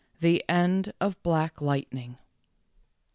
THE END OF BLACK LIGHTNING.